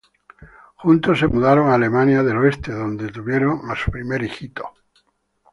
Juntos se mudaron a Alemania del Oeste donde tuvieron a su primer hijo.